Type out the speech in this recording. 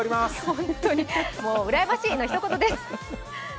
本当にうらやましい！のひと言です。